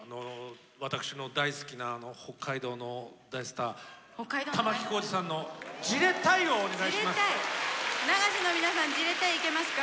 私の大好きな北海道の大スター玉置浩二さんの流しの皆さん「じれったい」いけますか？